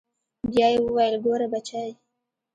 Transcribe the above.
بيا يې وويل ګوره بچى.